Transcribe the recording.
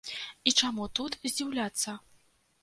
І чаму тут здзіўляцца?